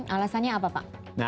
alasannya apa pak